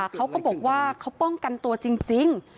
เขาก็บอกว่าเขาป้องกันตัวจริง